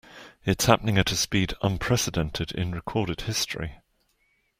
It's happening at a speed unprecedented in recorded history.